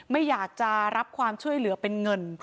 ไม่อยากจะรับความช่วยเหลือเป็นเงิน